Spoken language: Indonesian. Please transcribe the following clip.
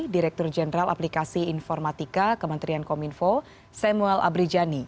direktur jenderal aplikasi informatika kementerian kominfo samuel abrijani